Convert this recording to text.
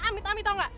amit amit tau enggak